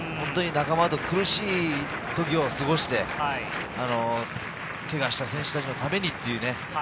仲間と苦しい時を過ごして、けがした選手のためにという。